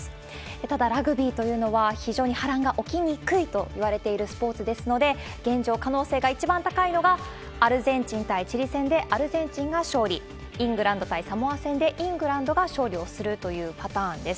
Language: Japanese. ただ、ラグビーというのは、非常に波乱が起きにくいといわれているスポーツですので、現状、可能性が一番高いのが、アルゼンチン対チリ戦でアルゼンチンが勝利、イングランド対サモア戦でイングランドが勝利をするというパターンです。